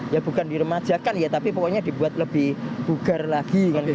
ya bukan diremajakan ya tapi pokoknya dibuat lebih bugar lagi